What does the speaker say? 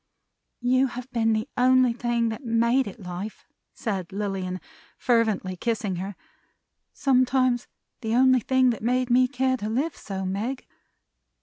"You have been the only thing that made it life," said Lilian, fervently kissing her; "sometimes the only thing that made me care to live so, Meg.